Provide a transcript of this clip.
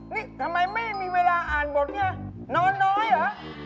นี่ทำไมไม่มีเวลาอ่านบทเนี่ยนอนน้อยเหรอ